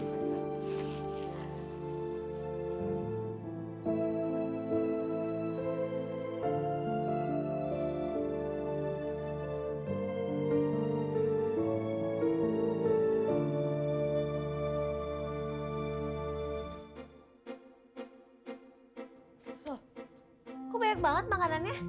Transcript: loh kok banyak banget makanannya